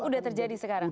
udah terjadi sekarang